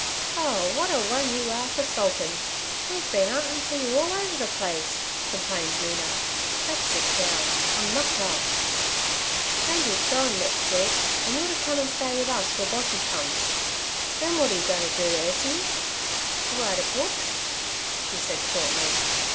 'Oh, w'at a one you are for sulkin'! We've been 'untin' for you all over the place' complained Mina. 'Let's sit down: I'm knocked up.' 'Andrew's goin' next week, an' you're to come and stay with us till Boshy comes. Then what are you goin' to do, Ursie?' 'Write a book' she said shortly.